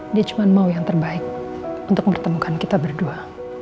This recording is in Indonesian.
dia cuma mau yang terbaik untuk mempertemukan kita berdua